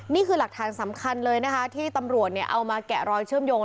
นี่คือหลักฐานสำคัญเลยนะคะที่ตำรวจเอามาแกะรอยเชื่อมโยง